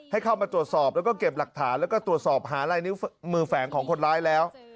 ให้เข้ามาตรวจสอบแล้วก็เก็บหลักฐานแล้วก็ตรวจสอบหาลายนิ้วมือแฝงของคนร้ายแล้ว